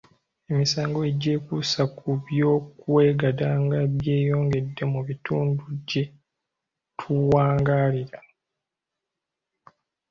Emisango egyekuusa ku by'okwegadanga gyeyongedde mu bitundu gye tuwangaalira.